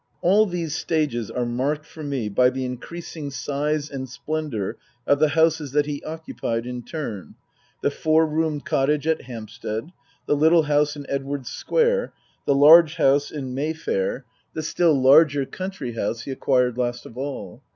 All these stages are marked for me by the increasing size and splendour of the houses that he occupied in turn ; the four roomed cottage at Hampstead ; the little house in Edwardes Square ; the large house in Mayfair ; the 142 Tasker Jevons still larger country house he acquired last of all.